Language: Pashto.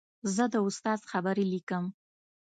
زه د استاد خبرې لیکم.